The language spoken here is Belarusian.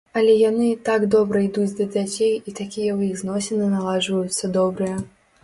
Але яны так добра ідуць да дзяцей, і такія ў іх зносіны наладжваюцца добрыя.